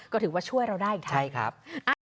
ก็ถือว่าช่วยเราได้อีกทีใช่ครับอ่าโอ๊ย